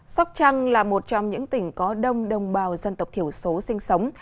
sóc trăng là một trong những tỉnh có đông đồng bào dân tộc thiểu số sinh sống